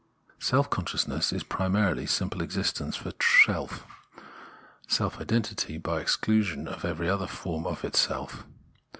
Self consciousness is primarily simple existence for self, self identity by exclusion of every other from itself.